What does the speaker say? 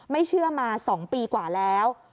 ไม่เชื่อมา๒ปีกว่าแล้ว